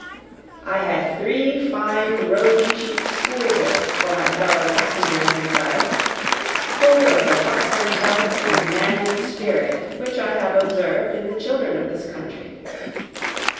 I had three fine rosy cheeked schoolboys for my fellow passengers inside, full of the buxom health and manly spirit which I have observed in the children of this country.